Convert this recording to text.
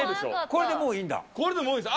これでもういいです。